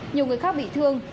nhiều người khác bị thương